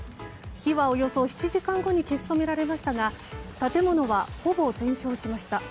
火はおよそ７時間後に消し止められましたが建物はほぼ全焼しました。